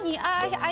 はい。